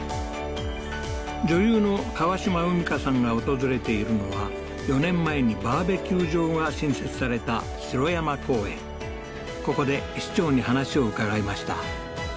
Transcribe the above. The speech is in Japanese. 女優の川島海荷さんが訪れているのは４年前にバーベキュー場が新設されたここで市長に話を伺いました